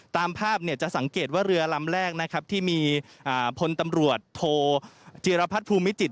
ตามภาพจะสังเกตว่าเรือลำแรกที่มีพลตำรวจโทจิรพัฐภูมิจิทธิ์